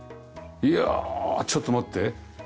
いやあちょっと待って。